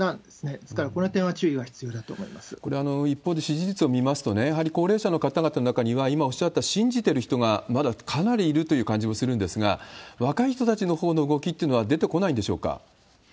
ですから、この点は注意が必要だと思いこれ、一方で支持率を見ますと、やはり高齢者の方々の中には、今おっしゃった、信じてる人がまだかなりいるという感じもするんですが、若い人たちのほうの動きというのは出てこないんでしょうか？